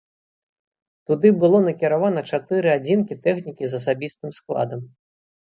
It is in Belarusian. Туды было накіравана чатыры адзінкі тэхнікі з асабістым складам.